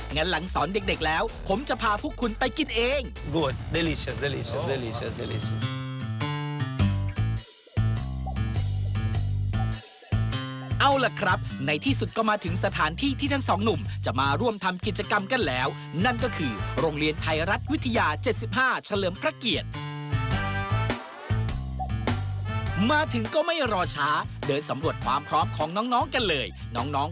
หลังสอนเด็กแล้วผมจะพาพวกคุณไปกินเอง